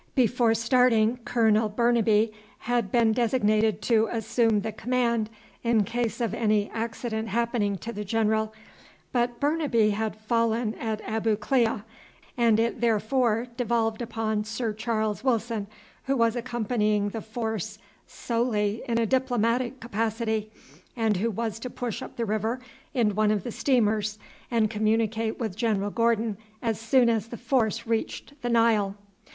Before starting, Colonel Burnaby had been designated to assume the command in case of any accident happening to the general; but Burnaby had fallen at Abu Klea, and it therefore devolved upon Sir Charles Wilson, who was accompanying the force solely in a diplomatic capacity, and who was to push up the river in one of the steamers and communicate with General Gordon as soon as the force reached the Nile.